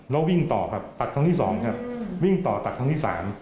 แล้ววิ่งต่อครับตัดครั้งที่๒ครับวิ่งต่อตัดครั้งที่๓